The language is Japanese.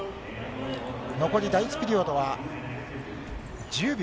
残り、第１ピリオドは１０秒。